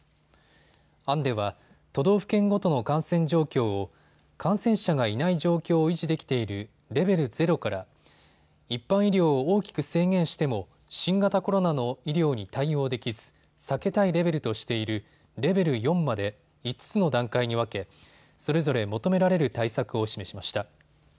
案では都道府県ごとの感染状況を感染者がいない状況を維持できているレベル０から一般医療を大きく制限しても新型コロナの医療に対応できず避けたいレベルとしているレベル４まで５つの段階に分けそれぞれ求められる対策を示しました。